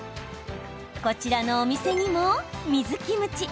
こちらのお店にも水キムチ。